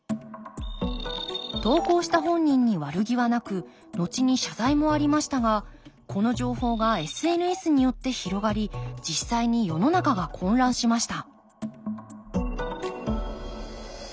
投稿した本人に悪気はなくのちに謝罪もありましたがこの情報がＳＮＳによって広がり実際に世の中が混乱しました